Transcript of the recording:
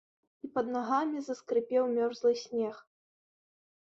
І пад нагамі заскрыпеў мёрзлы снег.